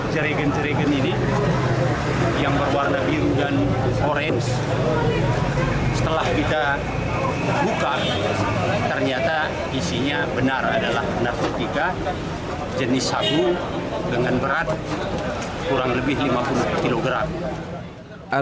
cerigen jeragen ini yang berwarna biru dan orange setelah kita buka ternyata isinya benar adalah narkotika jenis sabu dengan berat kurang lebih lima puluh kilogram